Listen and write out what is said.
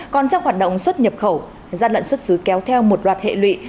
còn trong hoạt động xuất nhập khẩu gian lận xuất xứ kéo theo một loạt hệ lụy